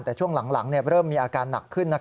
แต่ช่วงหลังเริ่มมีอาการหนักขึ้น